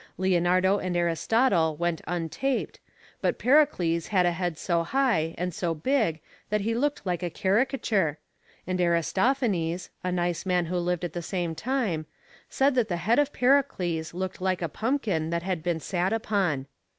Leonardo and Aristotle went untaped, but Pericles had a head so high and so big that he looked like a caricature, and Aristophanes, a nice man who lived at the same time, said that the head of Pericles looked like a pumpkin that had been sat upon.